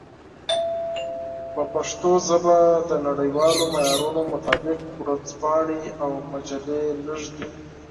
په پښتو ژبه د نړیوالو معیارونو مطابق ورځپاڼې او مجلې محدودې دي.